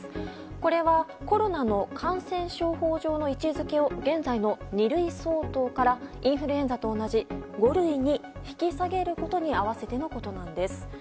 これはコロナの感染症法上の位置づけを現在の二類相当からインフルエンザと同じ五類に引き下げることに合わせてのことなんです。